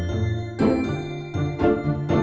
tiada jenis kenafas juga